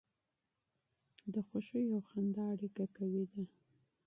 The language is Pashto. د خوښۍ او خندا اړیکه قوي ده.